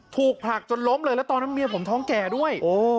ถูกผลักจนล้มเลยแล้วตอนนั้นเมียผมท้องแก่ด้วย